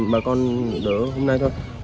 bà con đỡ hôm nay thôi